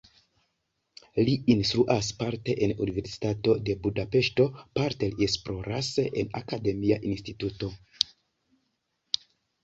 Li instruas parte en Universitato de Budapeŝto, parte li esploras en akademia instituto.